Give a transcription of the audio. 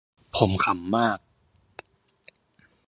ผมขำมาก